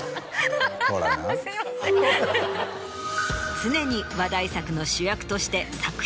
常に話題作の主役として。